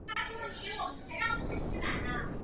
县名以居住于密西西比河沿岸的滕萨人命名。